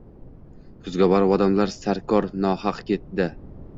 Kuzga borib, odamlar sarkor nohaq ketdi.